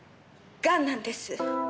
がんなんです。